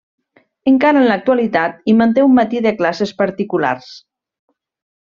Encara en l'actualitat hi manté un matí de classes particulars.